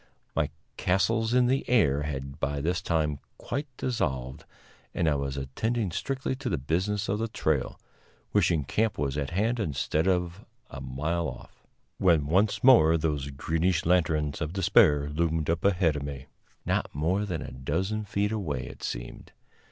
My castles in the air had by this time quite dissolved, and I was attending strictly to the business of the trail, wishing camp was at hand instead of a mile off, when once more those greenish lanterns of despair loomed up ahead of me not more than a dozen feet away, it seemed.